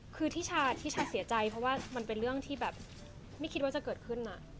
คือที่ชาเสียใจเพราะว่ามันเป็นเรื่องที่แบบไม่คิดว่าจะเกิดขึ้น